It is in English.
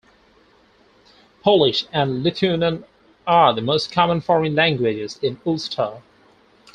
Polish and Lithuanian are the most common foreign languages in Ulster.